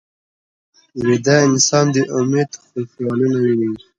ویده انسان د امید خیالونه ویني